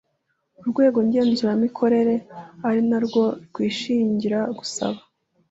urwego ngenzuramikorere ari na rwo rwishingira gusaba